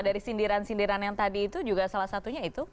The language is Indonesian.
dari sindiran sindiran yang tadi itu juga salah satunya itu